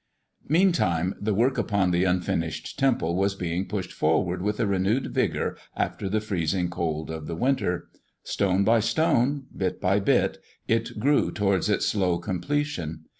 Meantime the work upon the unfinished temple was being pushed forward with a renewed vigor after the freezing cold of the winter. Stone by stone, bit by bit, it grew towards its slow completion.